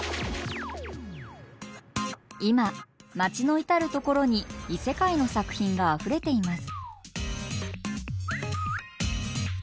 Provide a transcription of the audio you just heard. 今街の至る所に異世界の作品があふれています。